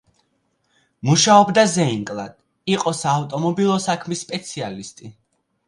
მუშაობდა ზეინკლად; იყო საავტომობილო საქმის სპეციალისტი.